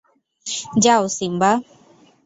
যাও, সিম্বা!